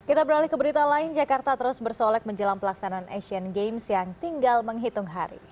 kita beralih ke berita lain jakarta terus bersolek menjelang pelaksanaan asian games yang tinggal menghitung hari